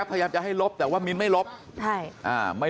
ลูกสาวหลายครั้งแล้วว่าไม่ได้คุยกับแจ๊บเลยลองฟังนะคะ